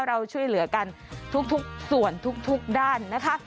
เราช่วยเหลือกันทุกส่วนทุกด้านนะคะ